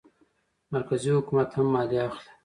مرکزي حکومت هم مالیه اخلي.